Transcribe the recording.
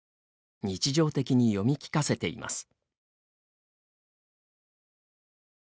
日常的に読み聞かせています。